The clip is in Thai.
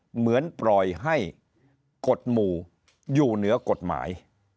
เหมือนปล่อยให้กฎหมู่อยู่เหนือกฎหมาย